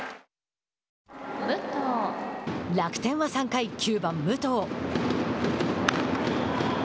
楽天は３回９番武藤。